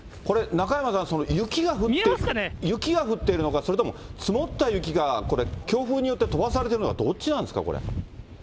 これ、中山さん、雪が降っているのか、それとも積もった雪がこれ、強風によって飛ばされているのか、どっちなんですか、これ。